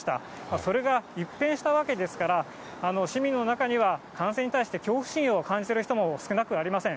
それが一変したわけですから、市民の中には感染に対して恐怖心を感じている人も少なくありません。